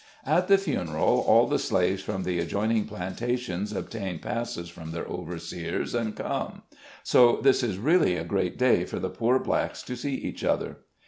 At the funeral, all the slaves from the adjoining plantations obtain passes from their overseers, and come ; so this is really a great day for the poor blacks to see each other.